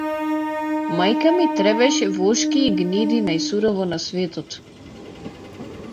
Мајка ми требеше вошки и гниди најсурово на светот.